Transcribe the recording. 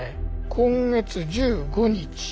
今月１５日。